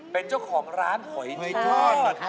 เป็นเจ้าของร้านหอยทอด